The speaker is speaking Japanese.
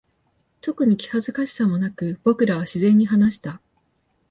特に気恥ずかしさもなく、僕らは自然に話した。